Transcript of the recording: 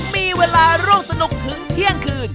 มีเวลาร่วมสนุกถึงเที่ยงคืน